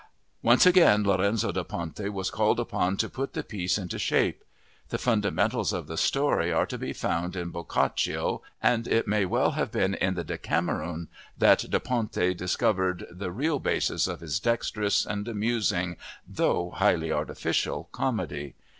Once again Lorenzo da Ponte was called upon to put the piece into shape. The fundamentals of the story are to be found in Boccaccio and it may well have been in the Decameron that Da Ponte discovered the real basis of his dexterous and amusing, though highly artificial, comedy.